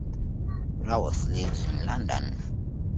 Raworth lives in London.